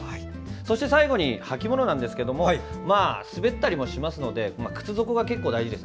そして最後に履き物ですが滑ったりもしますので靴底が大事です。